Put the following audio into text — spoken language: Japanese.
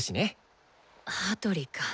羽鳥か。